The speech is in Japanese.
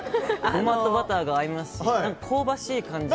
ごまとバターが合いますし香ばしい感じ。